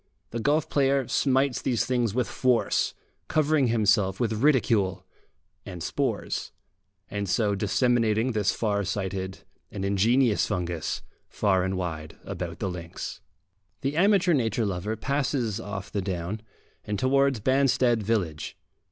The golf player smites these things with force, covering himself with ridicule and spores, and so disseminating this far sighted and ingenious fungus far and wide about the links. The amateur nature lover passes off the down, and towards Banstead village.